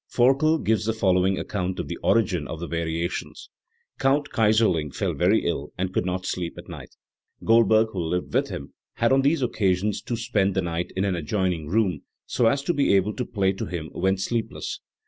Forkel gives the following account of the origin of the variations: "Count Kayserling fell very ill and could not sleep at night, Goldberg, who lived with him, had on these occasions to spend the night in an adjoining room, so as to be able to play to him when sleepless.